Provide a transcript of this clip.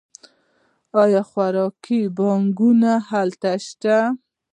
آیا د خوړو بانکونه هلته نشته؟